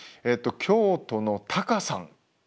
京都のタカさん。